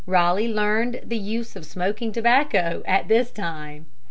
Raleigh learned the use of smoking tobacco at this time.